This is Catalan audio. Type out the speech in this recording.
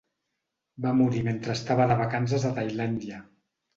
Va morir mentre estava de vacances a Tailàndia.